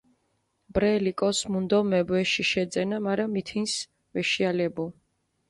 ბრელი კოს მუნდომებ, ეში შეძენა, მარა მითინს ვეშიალებუ.